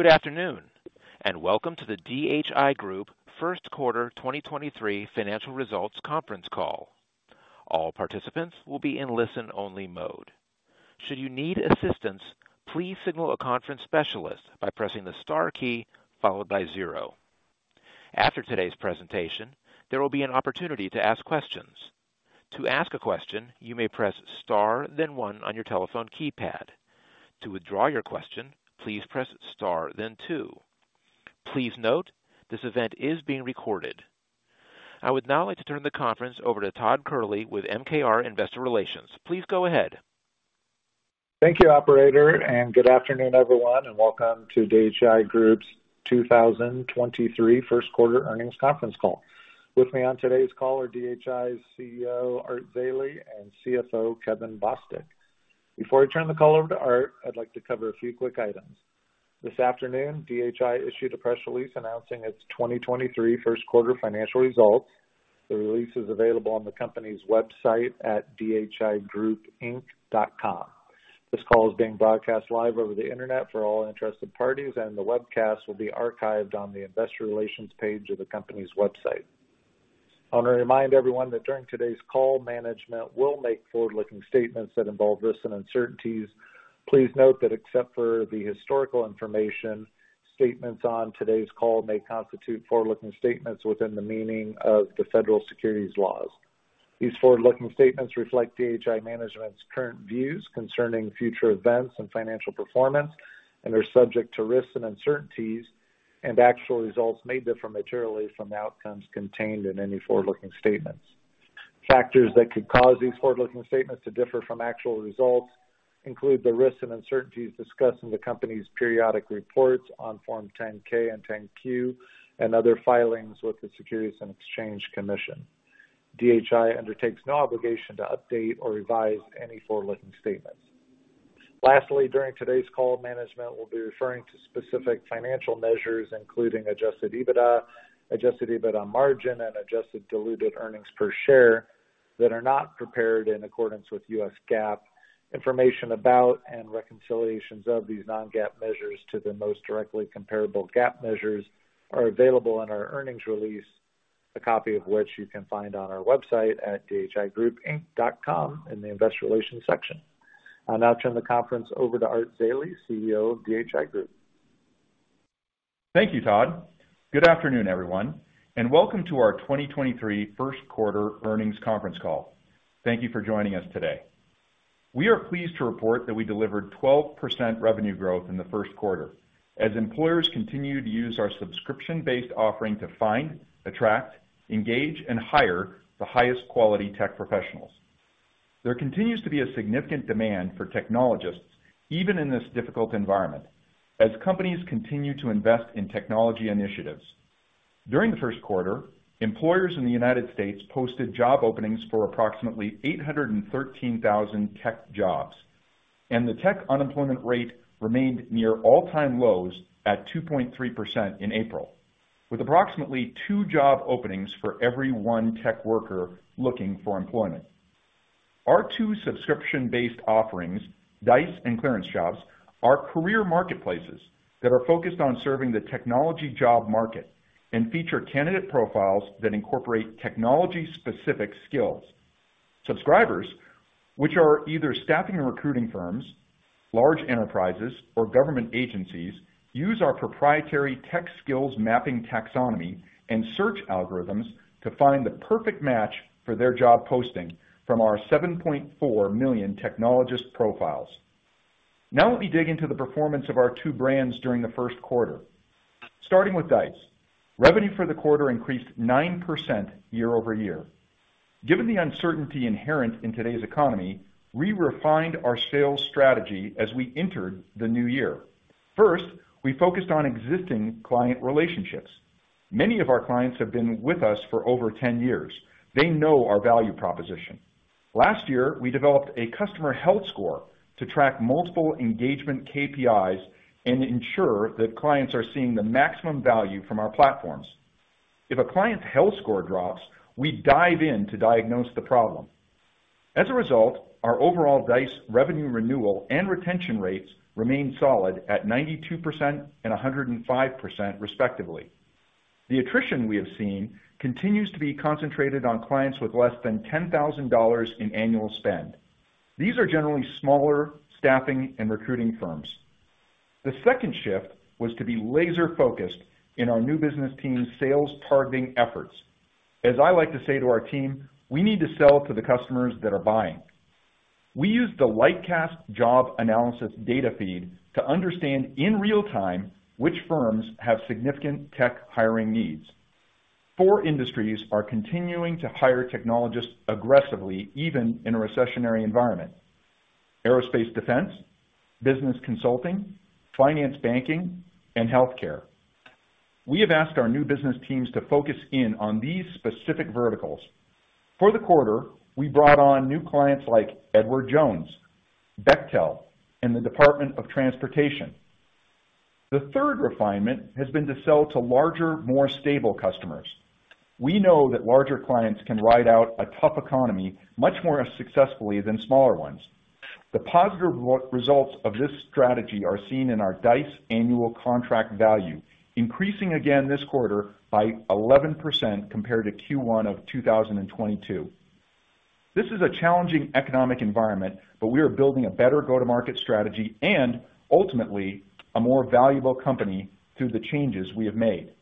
Good afternoon, and welcome to the DHI Group first quarter 2023 financial results conference call. All participants will be in listen-only mode. Should you need assistance, please signal a conference specialist by pressing the star key followed by zero. After today's presentation, there will be an opportunity to ask questions. To ask a question, you may press star then one on your telephone keypad. To withdraw your question, please press star then two. Please note, this event is being recorded. I would now like to turn the conference over to Todd Kehrli with MKR Investor Relations. Please go ahead. Thank you, Operator, good afternoon, everyone, welcome to DHI Group's 2023 first quarter earnings conference call. With me on today's call are DHI's CEO, Art Zeile, CFO, Kevin Bostick. Before I turn the call over to Art, I'd like to cover a few quick items. This afternoon, DHI issued a press release announcing its 2023 first quarter financial results. The release is available on the company's website at dhigroupinc.com. This call is being broadcast live over the internet for all interested parties, the webcast will be archived on the investor relations page of the company's website. I want to remind everyone that during today's call, management will make forward-looking statements that involve risks and uncertainties. Please note that except for the historical information, statements on today's call may constitute forward-looking statements within the meaning of the federal securities laws. These forward-looking statements reflect DHI management's current views concerning future events and financial performance and are subject to risks and uncertainties, and actual results may differ materially from the outcomes contained in any forward-looking statements. Factors that could cause these forward-looking statements to differ from actual results include the risks and uncertainties discussed in the company's periodic reports on Form 10-K and 10-Q and other filings with the Securities and Exchange Commission. DHI undertakes no obligation to update or revise any forward-looking statements. Lastly, during today's call, management will be referring to specific financial measures, including adjusted EBITDA, adjusted EBITDA margin, and adjusted diluted earnings per share that are not prepared in accordance with US GAAP. Information about and reconciliations of these non-GAAP measures to the most directly comparable GAAP measures are available in our earnings release, a copy of which you can find on our website at dhigroupinc.com in the investor relations section. I'll now turn the conference over to Art Zeile, CEO of DHI Group. Thank you, Todd. Good afternoon, everyone, and welcome to our 2023 first quarter earnings conference call. Thank you for joining us today. We are pleased to report that we delivered 12% revenue growth in the first quarter as employers continue to use our subscription-based offering to find, attract, engage, and hire the highest quality tech professionals. There continues to be a significant demand for technologists, even in this difficult environment, as companies continue to invest in technology initiatives. During the first quarter, employers in the U.S. posted job openings for approximately 813,000 tech jobs, and the tech unemployment rate remained near all-time lows at 2.3% in April, with approximately two job openings for every one tech worker looking for employment. Our two subscription-based offerings, Dice and ClearanceJobs, are career marketplaces that are focused on serving the technology job market and feature candidate profiles that incorporate technology-specific skills. Subscribers, which are either staffing and recruiting firms, large enterprises, or government agencies, use our proprietary tech skills mapping taxonomy and search algorithms to find the perfect match for their job posting from our 7.4 million technologist profiles. Now, let me dig into the performance of our two brands during the first quarter. Starting with Dice. Revenue for the quarter increased 9% year-over-year. Given the uncertainty inherent in today's economy, we refined our sales strategy as we entered the new year. First, we focused on existing client relationships. Many of our clients have been with us for over 10 years. They know our value proposition. Last year, we developed a customer health score to track multiple engagement KPIs and ensure that clients are seeing the maximum value from our platforms. If a client's health score drops, we dive in to diagnose the problem. As a result, our overall Dice revenue renewal and retention rates remain solid at 92% and 105%, respectively. The attrition we have seen continues to be concentrated on clients with less than $10,000 in annual spend. These are generally smaller staffing and recruiting firms. The second shift was to be laser-focused in our new business team's sales targeting efforts. As I like to say to our team, we need to sell to the customers that are buying. We use the Lightcast job analysis data feed to understand in real time which firms have significant tech hiring needs. Four industries are continuing to hire technologists aggressively, even in a recessionary environment: aerospace defense, business consulting, finance banking, and healthcare. We have asked our new business teams to focus in on these specific verticals. For the quarter, we brought on new clients like Edward Jones, Bechtel, and the Department of Transportation. The third refinement has been to sell to larger, more stable customers. We know that larger clients can ride out a tough economy much more successfully than smaller ones. The positive re-results of this strategy are seen in our Dice annual contract value, increasing again this quarter by 11% compared to Q1 of 2022. This is a challenging economic environment, but we are building a better go-to-market strategy and ultimately a more valuable company through the changes we have made.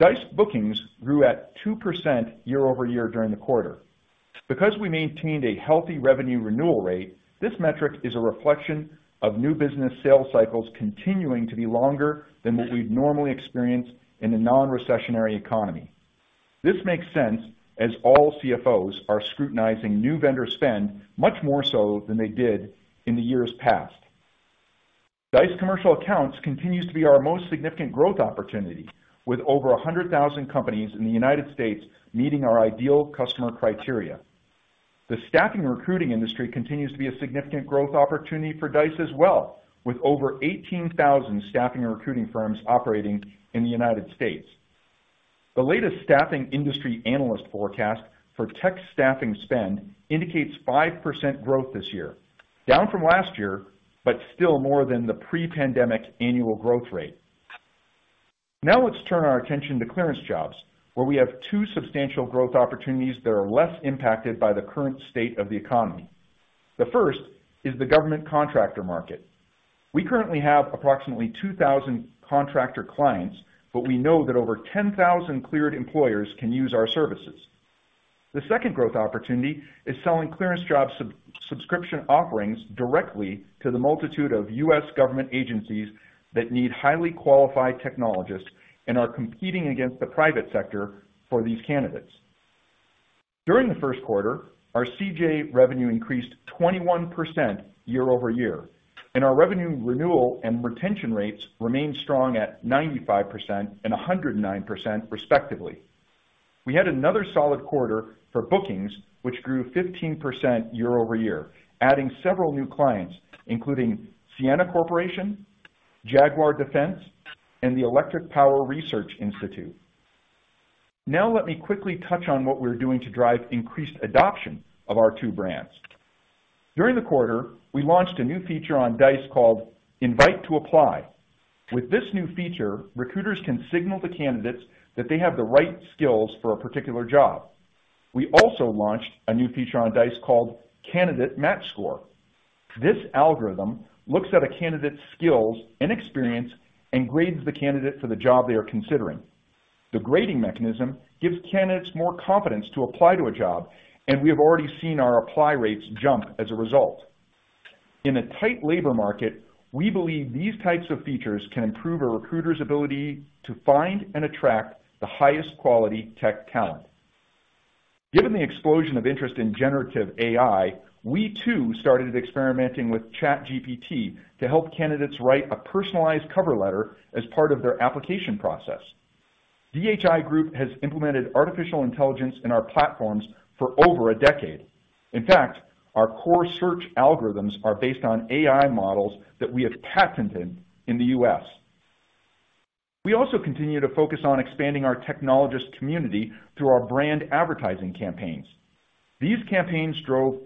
Dice bookings grew at 2% year-over-year during the quarter. Because we maintained a healthy revenue renewal rate, this metric is a reflection of new business sales cycles continuing to be longer than what we'd normally experience in a non-recessionary economy. This makes sense as all CFOs are scrutinizing new vendor spend much more so than they did in the years past. Dice Commercial Accounts continues to be our most significant growth opportunity, with over 100,000 companies in the United States meeting our ideal customer criteria. The staffing recruiting industry continues to be a significant growth opportunity for Dice as well, with over 18,000 staffing and recruiting firms operating in the United States. The latest staffing industry analyst forecast for tech staffing spend indicates 5% growth this year, down from last year, but still more than the pre-pandemic annual growth rate. Now let's turn our attention to ClearanceJobs, where we have two substantial growth opportunities that are less impacted by the current state of the economy. The first is the government contractor market. We currently have approximately 2,000 contractor clients, but we know that over 10,000 cleared employers can use our services. The second growth opportunity is selling ClearanceJobs sub-subscription offerings directly to the multitude of U.S. government agencies that need highly qualified technologists and are competing against the private sector for these candidates. During the first quarter, our CJ revenue increased 21% year-over-year, and our revenue renewal and retention rates remained strong at 95% and 109% respectively. We had another solid quarter for bookings, which grew 15% year-over-year, adding several new clients, including Sienna Corporation, Jaguar Defense, and the Electric Power Research Institute. Let me quickly touch on what we're doing to drive increased adoption of our two brands. During the quarter, we launched a new feature on Dice called Invite to Apply. With this new feature, recruiters can signal to candidates that they have the right skills for a particular job. We also launched a new feature on Dice called Candidate Match Score. This algorithm looks at a candidate's skills and experience and grades the candidate for the job they are considering. The grading mechanism gives candidates more confidence to apply to a job, and we have already seen our apply rates jump as a result. In a tight labor market, we believe these types of features can improve a recruiter's ability to find and attract the highest quality tech talent. Given the explosion of interest in generative AI, we too started experimenting with ChatGPT to help candidates write a personalized cover letter as part of their application process. DHI Group has implemented artificial intelligence in our platforms for over a decade. In fact, our core search algorithms are based on AI models that we have patented in the U.S. We also continue to focus on expanding our technologist community through our brand advertising campaigns. These campaigns drove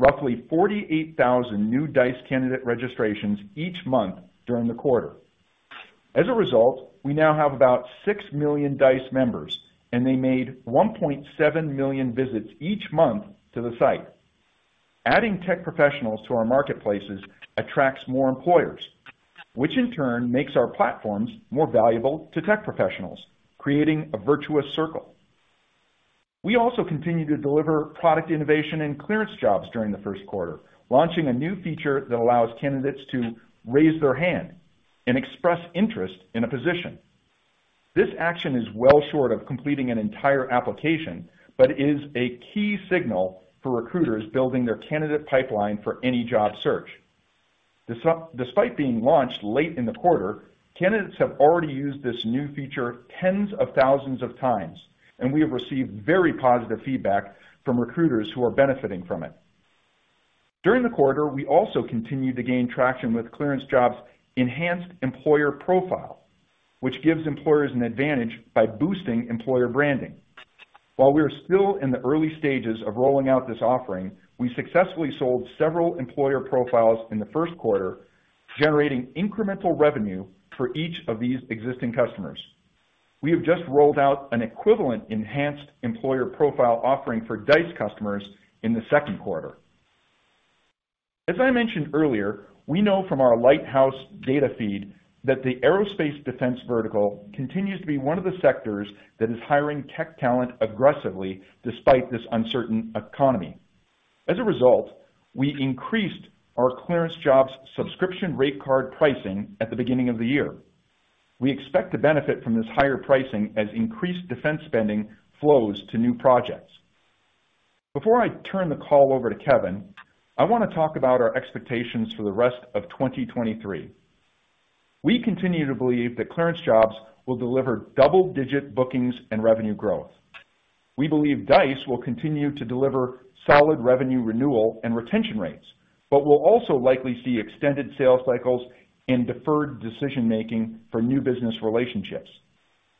roughly 48,000 new Dice candidate registrations each month during the quarter. As a result, we now have about six million Dice members, and they made 1.7 million visits each month to the site. Adding tech professionals to our marketplaces attracts more employers, which in turn makes our platforms more valuable to tech professionals, creating a virtuous circle. We also continued to deliver product innovation in ClearanceJobs during the first quarter, launching a new feature that allows candidates to raise their hand and express interest in a position. This action is well short of completing an entire application, but is a key signal for recruiters building their candidate pipeline for any job search. Despite being launched late in the quarter, candidates have already used this new feature tens of thousands of times, and we have received very positive feedback from recruiters who are benefiting from it. During the quarter, we also continued to gain traction with ClearanceJobs' enhanced employer profile, which gives employers an advantage by boosting employer branding. While we are still in the early stages of rolling out this offering, we successfully sold several employer profiles in the first quarter, generating incremental revenue for each of these existing customers. We have just rolled out an equivalent enhanced employer profile offering for Dice customers in the second quarter. As I mentioned earlier, we know from our Lighthouse data feed that the aerospace defense vertical continues to be one of the sectors that is hiring tech talent aggressively despite this uncertain economy. As a result, we increased our ClearanceJobs subscription rate card pricing at the beginning of the year. We expect to benefit from this higher pricing as increased defense spending flows to new projects. Before I turn the call over to Kevin, I wanna talk about our expectations for the rest of 2023. We continue to believe that ClearanceJobs will deliver double-digit bookings and revenue growth. We believe Dice will continue to deliver solid revenue renewal and retention rates, but we'll also likely see extended sales cycles and deferred decision-making for new business relationships.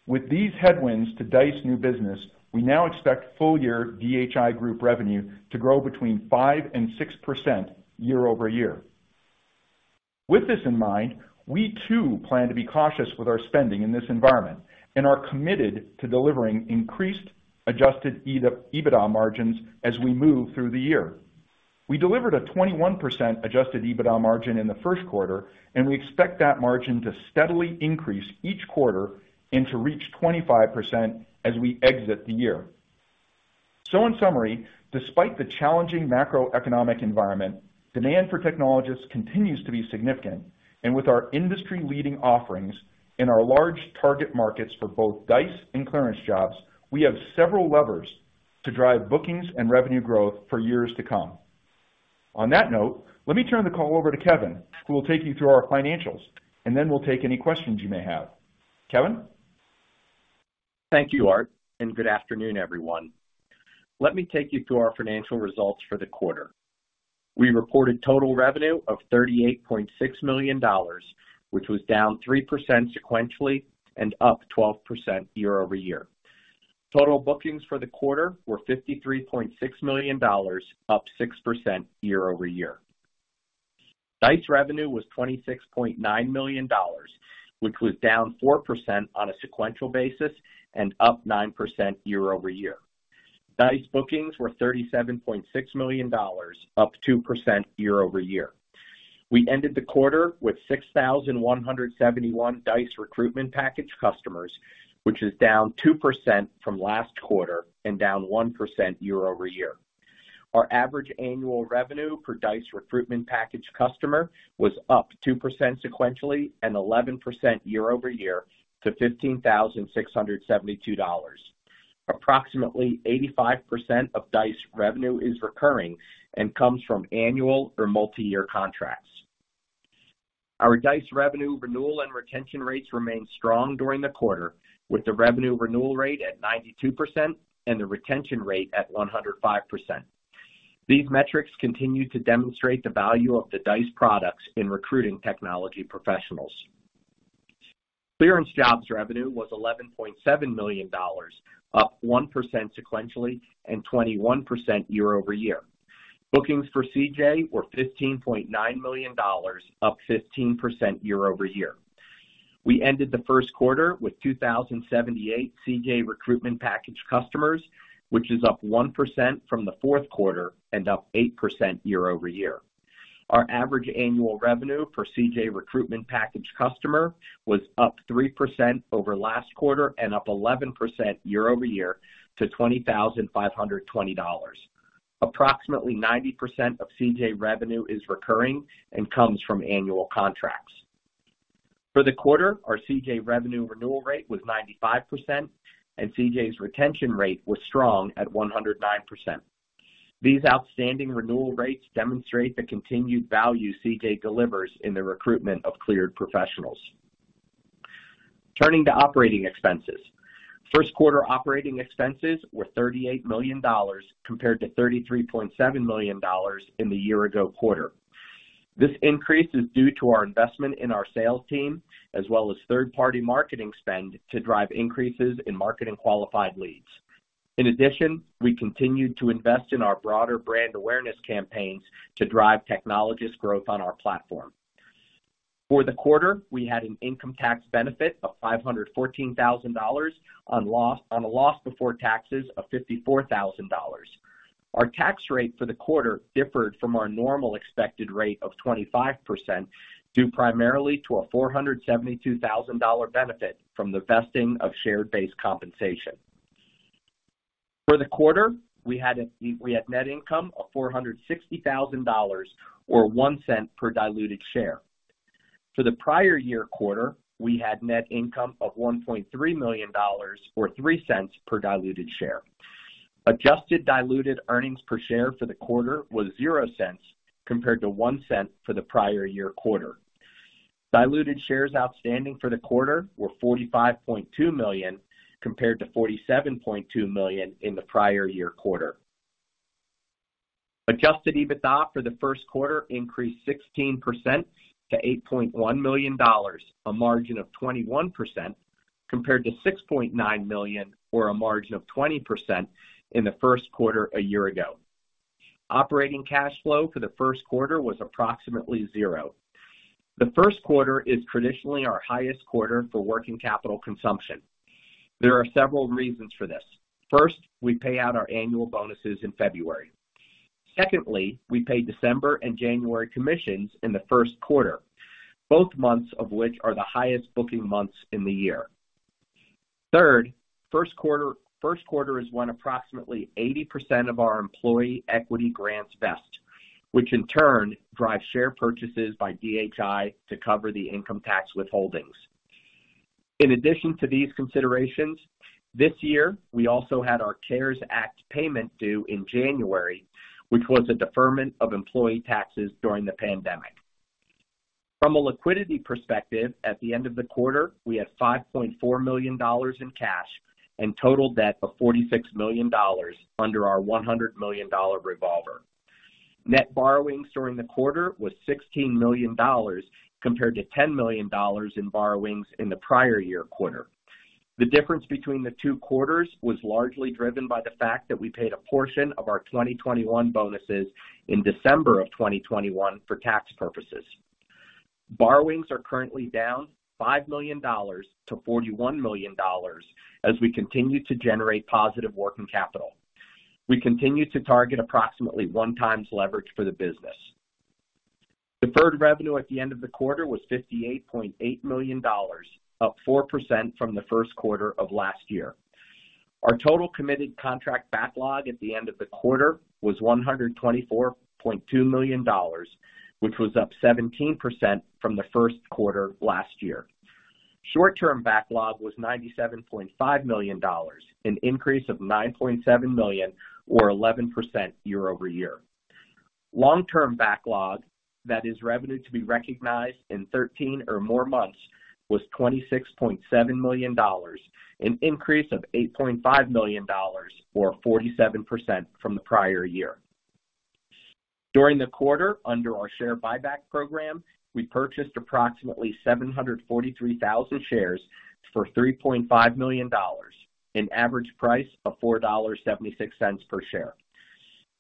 With these headwinds to Dice new business, we now expect full-year DHI Group revenue to grow between 5% and 6% year-over-year. With this in mind, we too plan to be cautious with our spending in this environment and are committed to delivering increased adjusted EBITDA margins as we move through the year. We delivered a 21% adjusted EBITDA margin in the first quarter, and we expect that margin to steadily increase each quarter and to reach 25% as we exit the year. In summary, despite the challenging macroeconomic environment, demand for technologists continues to be significant, and with our industry-leading offerings in our large target markets for both Dice and ClearanceJobs, we have several levers to drive bookings and revenue growth for years to come. On that note, let me turn the call over to Kevin, who will take you through our financials, and then we'll take any questions you may have. Kevin? Thank you, Art, and good afternoon, everyone. Let me take you through our financial results for the quarter. We reported total revenue of $38.6 million, which was down 3% sequentially and up 12% year-over-year. Total bookings for the quarter were $53.6 million, up 6% year-over-year. Dice revenue was $26.9 million, which was down 4% on a sequential basis and up 9% year-over-year. Dice bookings were $37.6 million, up 2% year-over-year. We ended the quarter with 6,171 Dice recruitment package customers, which is down 2% from last quarter and down 1% year-over-year. Our average annual revenue per Dice recruitment package customer was up 2% sequentially and 11% year-over-year to $15,672. Approximately 85% of Dice revenue is recurring and comes from annual or multi-year contracts. Our Dice revenue renewal and retention rates remained strong during the quarter with the revenue renewal rate at 92% and the retention rate at 105%. These metrics continue to demonstrate the value of the Dice products in recruiting technology professionals. ClearanceJobs revenue was $11.7 million, up 1% sequentially and 21% year-over-year. Bookings for CJ were $15.9 million, up 15% year-over-year. We ended the first quarter with 2,078 CJ recruitment package customers, which is up 1% from the fourth quarter and up 8% year-over-year. Our average annual revenue per ClearanceJobs recruitment package customer was up 3% over last quarter and up 11% year-over-year to $20,520. Approximately 90% of ClearanceJobs revenue is recurring and comes from annual contracts. For the quarter, our ClearanceJobs revenue renewal rate was 95%, and ClearanceJobs' retention rate was strong at 109%. These outstanding renewal rates demonstrate the continued value ClearanceJobs delivers in the recruitment of cleared professionals. Turning to operating expenses. First quarter operating expenses were $38 million compared to $33.7 million in the year-ago quarter. This increase is due to our investment in our sales team as well as third-party marketing spend to drive increases in marketing qualified leads. In addition, we continued to invest in our broader brand awareness campaigns to drive technologist growth on our platform. For the quarter, we had an income tax benefit of $514,000 on a loss before taxes of $54,000. Our tax rate for the quarter differed from our normal expected rate of 25%, due primarily to a $472,000 benefit from the vesting of share-based compensation. For the quarter, we had net income of $460,000 or $0.01 per diluted share. For the prior year quarter, we had net income of $1.3 million or $0.03 per diluted share. Adjusted diluted earnings per share for the quarter was $0.00 compared to $0.01 for the prior year quarter. Diluted shares outstanding for the quarter were 45.2 million compared to 47.2 million in the prior year quarter. Adjusted EBITDA for the first quarter increased 16% to $8.1 million, a margin of 21%, compared to $6.9 million or a margin of 20% in the first quarter a year ago. Operating cash flow for the first quarter was approximately zero. The first quarter is traditionally our highest quarter for working capital consumption. There are several reasons for this. First, we pay out our annual bonuses in February. Secondly, we pay December and January commissions in the first quarter, both months of which are the highest booking months in the year. Third, first quarter is when approximately 80% of our employee equity grants vest, which in turn drives share purchases by DHI to cover the income tax withholdings. In addition to these considerations, this year we also had our CARES Act payment due in January, which was a deferment of employee taxes during the pandemic. From a liquidity perspective, at the end of the quarter, we had $5.4 million in cash and total debt of $46 million under our $100 million revolver. Net borrowings during the quarter was $16 million compared to $10 million in borrowings in the prior year quarter. The difference between the two quarters was largely driven by the fact that we paid a portion of our 2021 bonuses in December 2021 for tax purposes. Borrowings are currently down $5 million to $41 million as we continue to generate positive working capital. We continue to target approximately 1x leverage for the business. Deferred revenue at the end of the quarter was $58.8 million, up 4% from the first quarter of last year. Our total committed contract backlog at the end of the quarter was $124.2 million, which was up 17% from the first quarter last year. Short-term backlog was $97.5 million, an increase of $9.7 million or 11% year-over-year. Long-term backlog that is revenue to be recognized in 13 or more months was $26.7 million, an increase of $8.5 million or 47% from the prior year. During the quarter, under our share buyback program, we purchased approximately 743,000 shares for $3.5 million, an average price of $4.76 per share.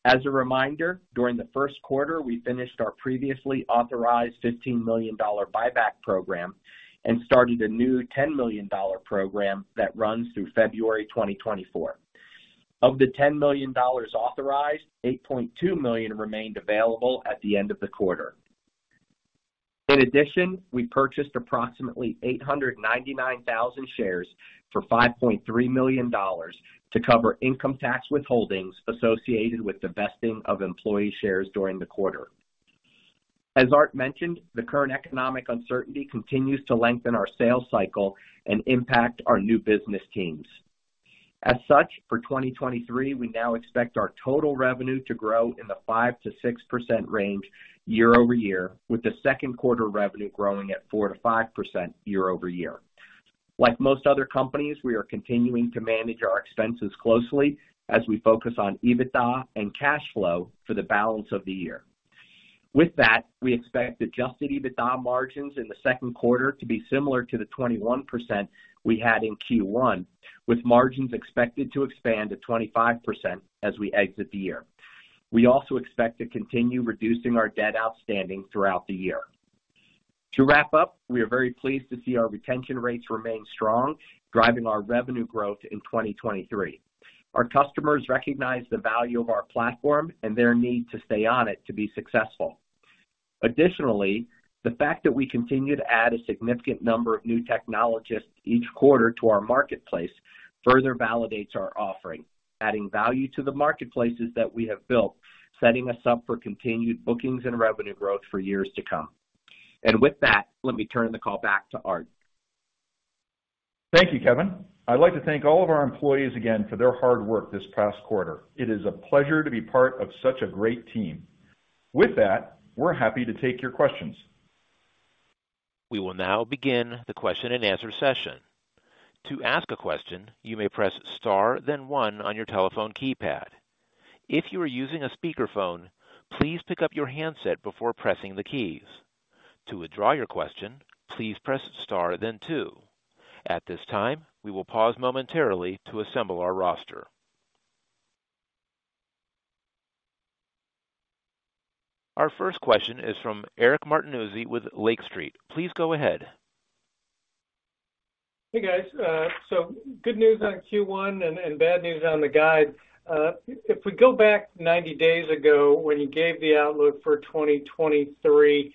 As a reminder, during the first quarter, we finished our previously authorized $15 million buyback program and started a new $10 million program that runs through February 2024. Of the $10 million authorized, $8.2 million remained available at the end of the quarter. In addition, we purchased approximately 899,000 shares for $5.3 million to cover income tax withholdings associated with the vesting of employee shares during the quarter. As Art mentioned, the current economic uncertainty continues to lengthen our sales cycle and impact our new business teams. As such, for 2023, we now expect our total revenue to grow in the 5%-6% range year-over-year, with the second quarter revenue growing at 4%-5% year-over-year. Like most other companies, we are continuing to manage our expenses closely as we focus on EBITDA and cash flow for the balance of the year. We expect adjusted EBITDA margins in the second quarter to be similar to the 21% we had in Q1, with margins expected to expand to 25% as we exit the year. We also expect to continue reducing our debt outstanding throughout the year. We are very pleased to see our retention rates remain strong, driving our revenue growth in 2023. Our customers recognize the value of our platform and their need to stay on it to be successful. Additionally, the fact that we continue to add a significant number of new technologists each quarter to our marketplace further validates our offering, adding value to the marketplaces that we have built, setting us up for continued bookings and revenue growth for years to come. With that, let me turn the call back to Art. Thank you, Kevin. I'd like to thank all of our employees again for their hard work this past quarter. It is a pleasure to be part of such a great team. With that, we're happy to take your questions. We will now begin the question-and-answer session. To ask a question, you may press star then one on your telephone keypad. If you are using a speakerphone, please pick up your handset before pressing the keys. To withdraw your question, please press star then two. At this time, we will pause momentarily to assemble our roster. Our first question is from Eric Martinuzzi with Lake Street. Please go ahead. Hey, guys. Good news on Q1 and bad news on the guide. If we go back 90 days ago when you gave the outlook for 2023, you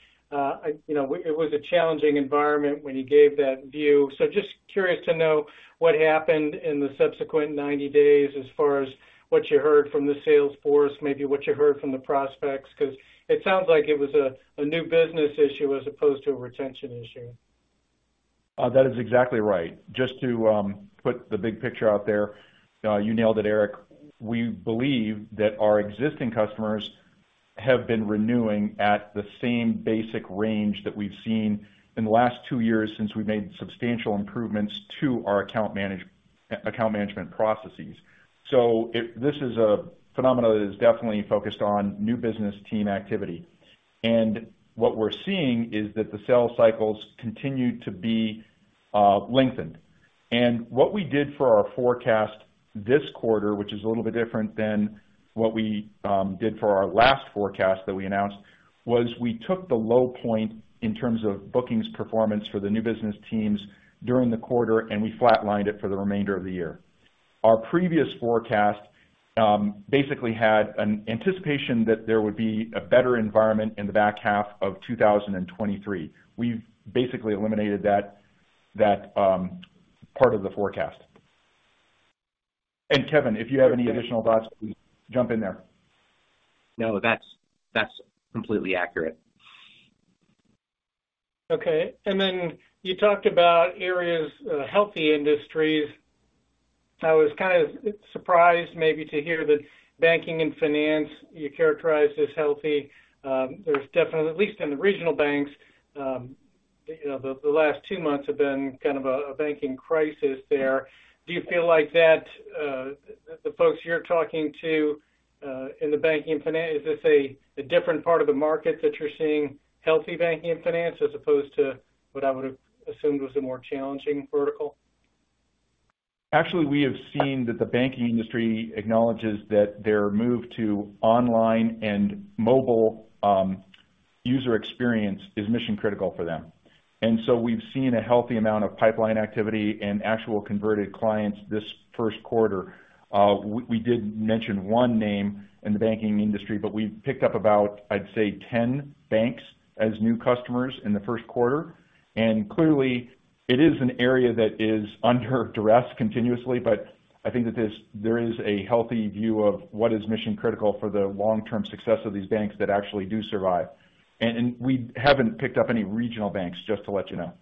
know, it was a challenging environment when you gave that view. Just curious to know what happened in the subsequent 90 days as far as what you heard from the sales force, maybe what you heard from the prospects, 'cause it sounds like it was a new business issue as opposed to a retention issue. That is exactly right. Just to put the big picture out there, you nailed it, Eric. We believe that our existing customers have been renewing at the same basic range that we've seen in the last two years since we've made substantial improvements to our account management processes. This is a phenomenon that is definitely focused on new business team activity. What we're seeing is that the sales cycles continue to be lengthened. What we did for our forecast this quarter, which is a little bit different than what we did for our last forecast that we announced, was we took the low point in terms of bookings performance for the new business teams during the quarter, and we flatlined it for the remainder of the year. Our previous forecast, basically had an anticipation that there would be a better environment in the back half of 2023. We've basically eliminated that, part of the forecast. Kevin, if you have any additional thoughts, please jump in there. No, that's completely accurate. Okay. Then you talked about areas, healthy industries. I was kind of surprised maybe to hear that banking and finance, you characterize as healthy. There's definitely at least in the regional banks, you know, the last two months have been kind of a banking crisis there. Do you feel like that, the folks you're talking to, in the banking and finance, is this a different part of the market that you're seeing healthy banking and finance as opposed to what I would've assumed was a more challenging vertical? Actually, we have seen that the banking industry acknowledges that their move to online and mobile, user experience is mission-critical for them. We've seen a healthy amount of pipeline activity and actual converted clients this first quarter. We, we did mention 1 name in the banking industry, but we've picked up about, I'd say, 10 banks as new customers in the first quarter. Clearly, it is an area that is under duress continuously, but I think that there is a healthy view of what is mission-critical for the long-term success of these banks that actually do survive. We haven't picked up any regional banks, just to let you know.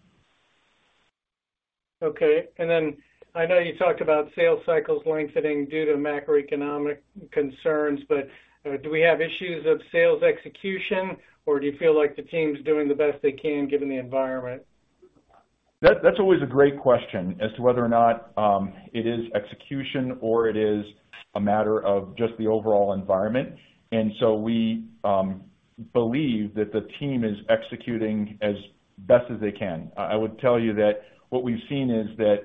Okay. Then I know you talked about sales cycles lengthening due to macroeconomic concerns, do we have issues of sales execution, or do you feel like the team's doing the best they can given the environment? That's always a great question as to whether or not it is execution or it is a matter of just the overall environment. We believe that the team is executing as best as they can. I would tell you that what we've seen is that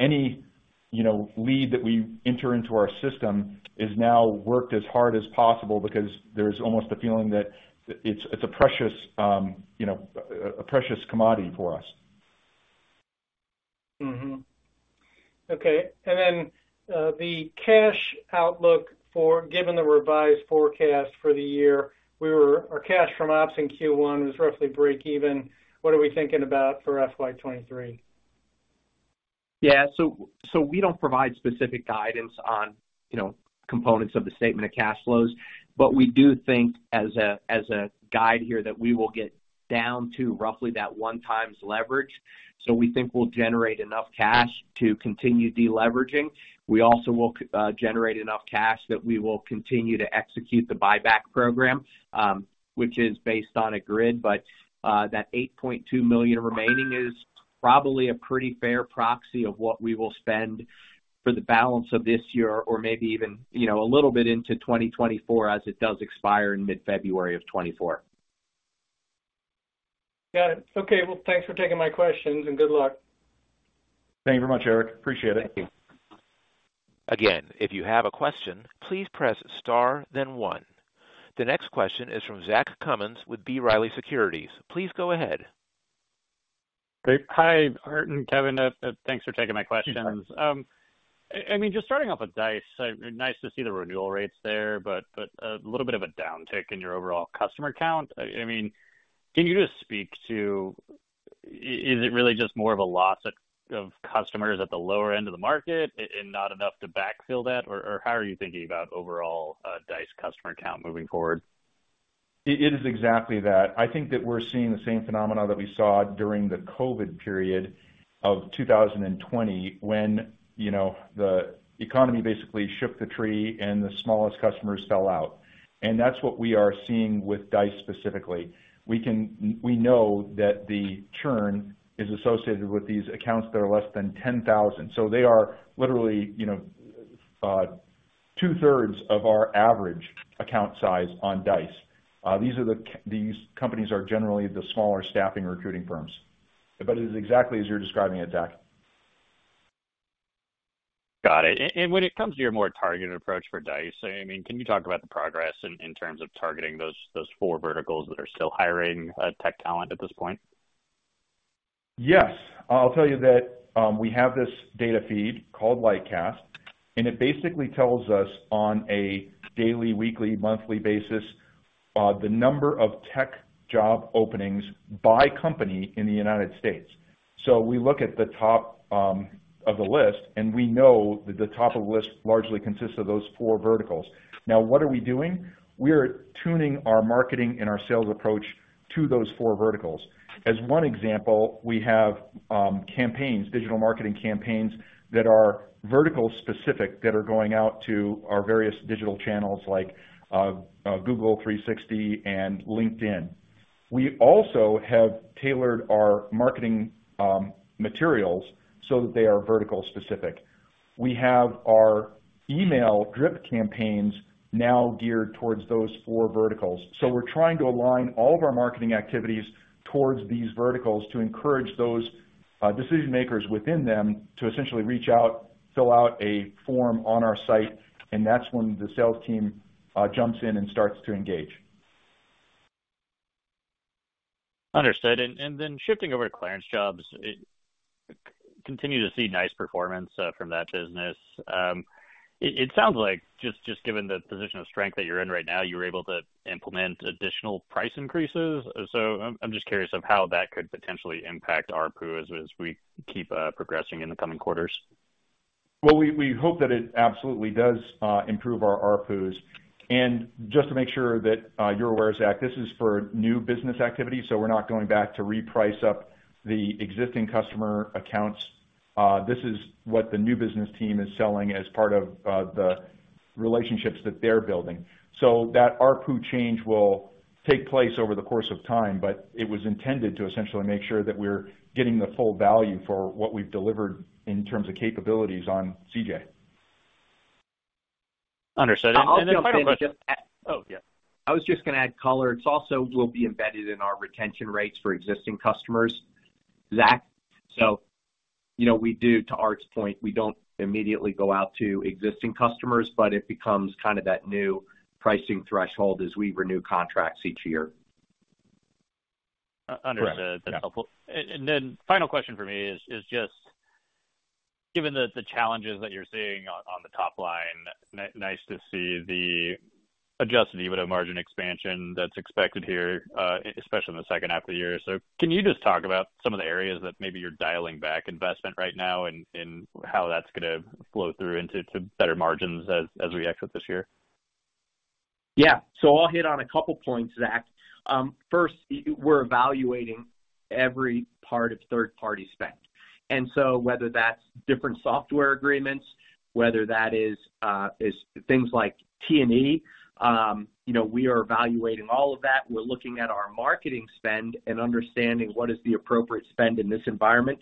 any, you know, lead that we enter into our system is now worked as hard as possible because there's almost the feeling that it's a precious, you know, a precious commodity for us. Mm-hmm. Okay. The cash outlook given the revised forecast for the year, our cash from ops in Q1 was roughly break even. What are we thinking about for FY 2023? Yeah. We don't provide specific guidance on, you know, components of the statement of cash flows. We do think as a guide here that we will get down to roughly that one times leverage. We think we'll generate enough cash to continue deleveraging. We also will generate enough cash that we will continue to execute the buyback program, which is based on a grid. That $8.2 million remaining is probably a pretty fair proxy of what we will spend for the balance of this year or maybe even, you know, a little bit into 2024 as it does expire in mid-February of 2024. Got it. Okay. Well, thanks for taking my questions, and good luck. Thank you very much, Eric. Appreciate it. Thank you. If you have a question, please press star then one. The next question is from Zach Cummins with B. Riley Securities. Please go ahead. Great. Hi, Art and Kevin. Thanks for taking my questions. I mean, just starting off with Dice. Nice to see the renewal rates there, but a little bit of a downtick in your overall customer count. I mean, can you just speak to is it really just more of a loss of customers at the lower end of the market and not enough to backfill that? Or how are you thinking about overall, Dice customer count moving forward? It is exactly that. I think that we're seeing the same phenomena that we saw during the COVID period of 2020 when, you know, the economy basically shook the tree and the smallest customers fell out. That's what we are seeing with Dice specifically. We know that the churn is associated with these accounts that are less than $10,000. They are literally, you know, 2/3 of our average account size on Dice. These companies are generally the smaller staffing recruiting firms. It is exactly as you're describing it, Zach. Got it. When it comes to your more targeted approach for Dice, I mean, can you talk about the progress in terms of targeting those four verticals that are still hiring, tech talent at this point? Yes. I'll tell you that, we have this data feed called Lightcast, and it basically tells us on a daily, weekly, monthly basis, the number of tech job openings by company in the United States. We look at the top of the list, and we know that the top of the list largely consists of those four verticals. Now, what are we doing? We are tuning our marketing and our sales approach to those four verticals. As one example, we have campaigns, digital marketing campaigns that are vertical specific that are going out to our various digital channels like Google 360 and LinkedIn. We also have tailored our marketing materials so that they are vertical specific. We have our email drip campaigns now geared towards those four verticals. We're trying to align all of our marketing activities towards these verticals to encourage those decision makers within them to essentially reach out, fill out a form on our site, and that's when the sales team jumps in and starts to engage. Understood. Shifting over to clearance jobs, continue to see nice performance from that business. It sounds like given the position of strength that you're in right now, you were able to implement additional price increases. I'm just curious of how that could potentially impact ARPU as we keep progressing in the coming quarters. Well, we hope that it absolutely does, improve our ARPUs. Just to make sure that, you're aware, Zach, this is for new business activity, so we're not going back to reprice up the existing customer accounts. This is what the new business team is selling as part of, the relationships that they're building. That ARPU change will take place over the course of time, but it was intended to essentially make sure that we're getting the full value for what we've delivered in terms of capabilities on CJ. Understood. Final question I'll jump in just to add. Oh, yeah. I was just gonna add color. It's also will be embedded in our retention rates for existing customers, Zach. You know, we do, to Art's point, we don't immediately go out to existing customers, but it becomes kind of that new pricing threshold as we renew contracts each year. Understood. Correct. Yeah. That's helpful. Final question for me is just given the challenges that you're seeing on the top line, nice to see the adjusted EBITDA margin expansion that's expected here, especially in the second half of the year. Can you just talk about some of the areas that maybe you're dialing back investment right now and how that's gonna flow through into to better margins as we exit this year? I'll hit on a couple points, Zach. First, we're evaluating every part of third-party spend. Whether that's different software agreements, whether that is things like T&E, you know, we are evaluating all of that. We're looking at our marketing spend and understanding what is the appropriate spend in this environment.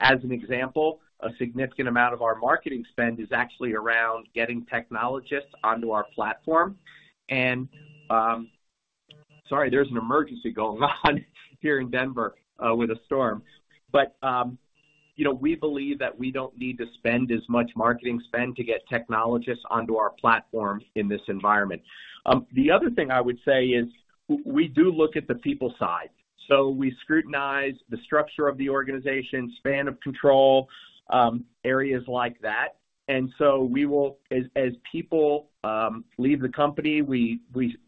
As an example, a significant amount of our marketing spend is actually around getting technologists onto our platform. Sorry, there's an emergency going on here in Denver with a storm. You know, we believe that we don't need to spend as much marketing spend to get technologists onto our platform in this environment. The other thing I would say is we do look at the people side. We scrutinize the structure of the organization, span of control, areas like that. As people leave the company, we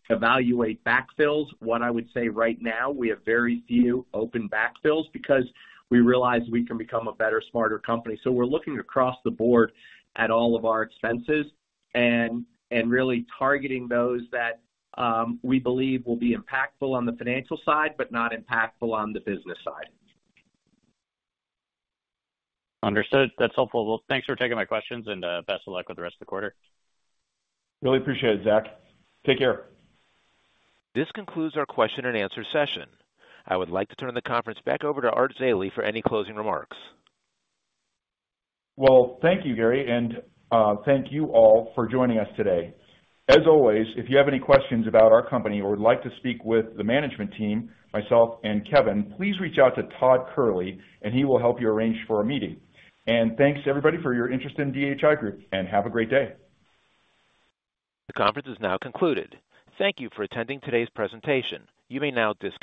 evaluate backfills. What I would say right now, we have very few open backfills because we realize we can become a better, smarter company. We're looking across the board at all of our expenses and really targeting those that we believe will be impactful on the financial side but not impactful on the business side. Understood. That's helpful. Well, thanks for taking my questions, and best of luck with the rest of the quarter. Really appreciate it, Zach. Take care. This concludes our question and answer session. I would like to turn the conference back over to Art Zeile for any closing remarks. Well, thank you, Gary. Thank you all for joining us today. As always, if you have any questions about our company or would like to speak with the management team, myself and Kevin, please reach out to Todd Kehrli. He will help you arrange for a meeting. Thanks everybody for your interest in DHI Group, and have a great day. The conference is now concluded. Thank you for attending today's presentation. You may now disconnect.